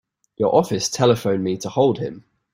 Your office telephoned me to hold him.